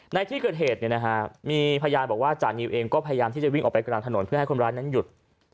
ในที่เกิดเหตุมีพยานบอกว่าจานิวเองก็พยายามที่จะวิ่งออกไปกลางถนนเพื่อให้คนร้ายนั้นหยุด